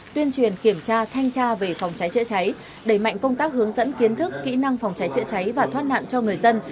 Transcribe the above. tuyên truyền kiểm tra thanh tra về phòng cháy chữa cháy đẩy mạnh công tác hướng dẫn kiến thức kỹ năng phòng cháy chữa cháy và thoát nạn cho người dân